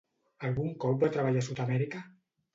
Algun cop va treballar a Sud-amèrica?